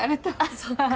そっか。